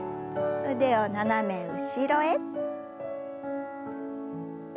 腕を斜め後ろへ。